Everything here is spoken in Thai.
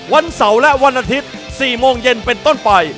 วันเสาร์และวันอาทิตย์๔โมงเย็นเป็นต้นไป